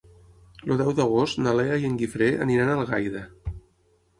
El deu d'agost na Lea i en Guifré aniran a Algaida.